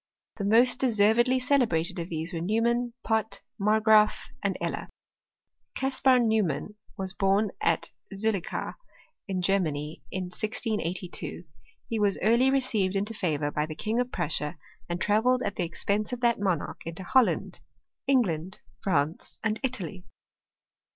The most deservedly celebrated of these were Neumann, Pott, Margraaf, and Eller. Caspar Neumann was born at Zullichau, in Ger many, in 1682. He was early received into favour by the King of Pinissia, and travelled at the expense of that monarch into Holland, England, France, and Italy.